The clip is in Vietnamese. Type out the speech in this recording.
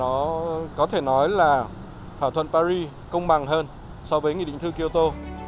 nó có thể nói là thỏa thuận paris công bằng hơn so với nghị định thư kyoto